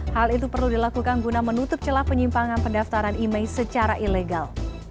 hal itu perlu dilakukan guna menutup celah penyimpangan pendaftaran email secara ilegal